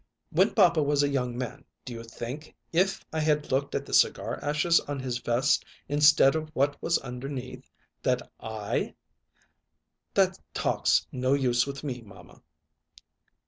When papa was a young man, do you think, if I had looked at the cigar ashes on his vest instead of at what was underneath, that I " "That talk's no use with me, mamma."